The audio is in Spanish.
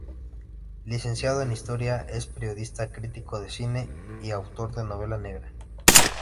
Licenciado en historia, es periodista, crítico de cine y autor de novela negra.